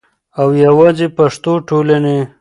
او یواځی پښتو ټولنې